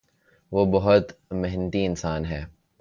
وہ بہت محنتی انسان ہے۔